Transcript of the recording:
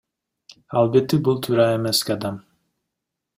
Албетте, бул туура эмес кадам.